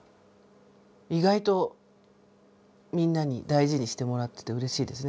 意外とみんなに大事にしてもらっててうれしいですね